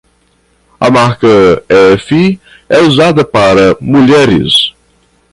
A marca F é usada para mulheres.